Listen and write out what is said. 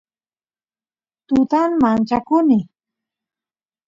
tutan manchakuni